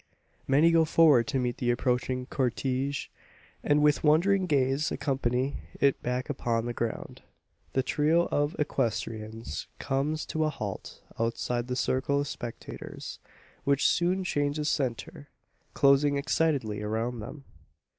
Many go forward to meet the approaching cortege; and with wondering gaze accompany it back upon the ground. The trio of equestrians comes to a halt outside the circle of spectators; which soon changes centre, closing excitedly around them.